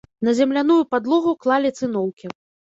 На земляную падлогу клалі цыноўкі.